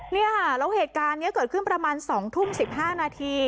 นี่ค่ะแล้วเหตุการณ์นี้เกิดขึ้นประมาณ๒ทุ่ม๑๕นาที